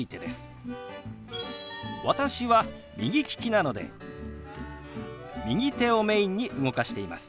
私は右利きなので右手をメインに動かしています。